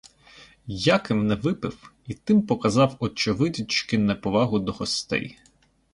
Яким не випив і тим показав очевидячки неповагу до гостей.